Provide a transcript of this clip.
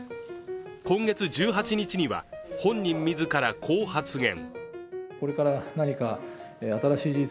今月１８日には本人自らこう発言。